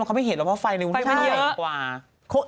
อาจจะไม่เห็นไฟมีอีกไกรกว่า